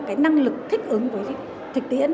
cái năng lực thích ứng với thực tiễn